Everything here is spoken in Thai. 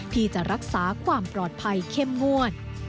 ที่จะรักษาความปลอดภัยเข้มงวด